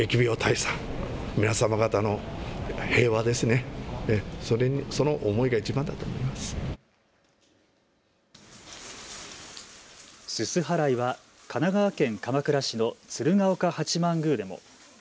すす払いは神奈川県鎌倉市の鶴岡八幡宮でも。